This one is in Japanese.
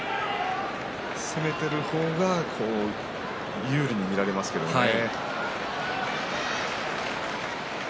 攻めている方が有利に見られますけれどね。